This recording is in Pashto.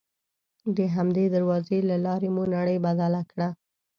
د همدې دروازې له لارې مو نړۍ بدله کړه.